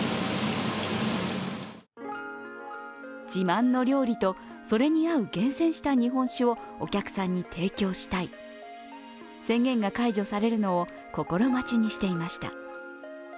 自慢の料理と、それに合う厳選した日本酒をお客さんに提供したい宣言が解除されるのを心待ちにしていました。